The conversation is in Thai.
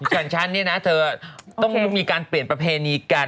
ฉันเนี่ยนะเธอต้องมีการเปลี่ยนประเพณีกัน